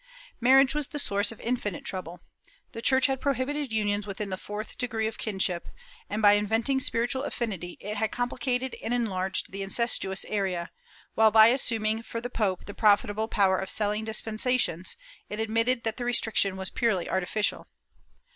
^ Marriage was the source of infinite trouble. The Church had prohibited unions within the fourth degree of kinship and, by inventing spiritual affinity, it had complicated and enlarged the incestuous area while, by assuming for the pope the profitable power of selling dispensations, it admitted that the restriction was purely artificial.